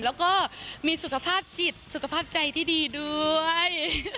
แล้วก็มีสุขภาพจิตสุขภาพใจที่ดีด้วย